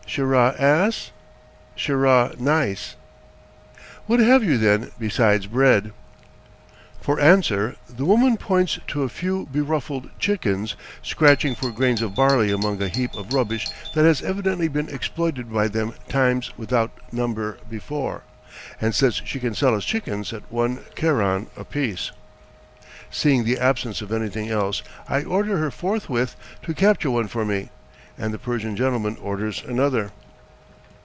"Sheerah ass?" "Sheerah neis." "What have you then besides bread?" For answer the woman points to a few beruffled chickens scratching for grains of barley among a heap of rubbish that has evidently been exploited by them times without number before, and says she can sell us chickens at one keran apiece. Seeing the absence of anything else, I order her forthwith to capture one for me, and the Persian gentleman orders another.